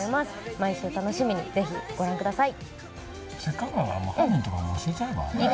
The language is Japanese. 毎週楽しみにぜひご覧ください。